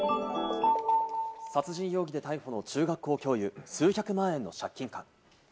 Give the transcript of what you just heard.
殺人容疑で逮捕の中学校教諭、数百万円の借金か。